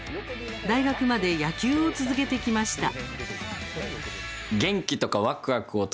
大学まで野球を続けてきました。